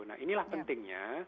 nah inilah pentingnya